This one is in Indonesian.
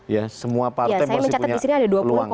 ya semua partai masih punya peluang